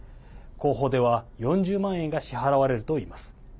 後方では４０万円が支払われるといいます。